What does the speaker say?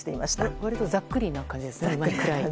割とざっくりな感じですね。